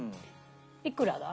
いくらだ？